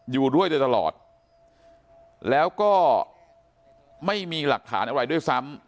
อยู่ด้วยโดยตลอดแล้วก็ไม่มีหลักฐานอะไรด้วยซ้ำ